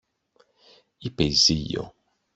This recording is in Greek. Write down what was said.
είπε η Ζήλιω.